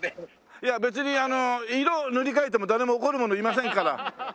いや別に色塗り替えても誰も怒る者いませんから。